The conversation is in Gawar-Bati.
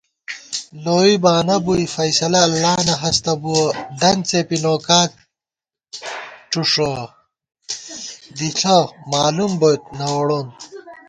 لوئی بانہ بُوئی فیصلہ اللہ نہ ہستہ بُوَہ * دنت څېپی نوکا ڄُݭُوَہ ، دِݪہ مالُوم بوئیت نہ ووڑون